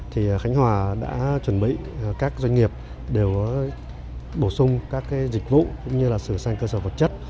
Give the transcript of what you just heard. thì khánh hòa đã chuẩn bị các doanh nghiệp đều bổ sung các dịch vụ cũng như sửa sang cơ sở vật chất